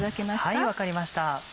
はい分かりました。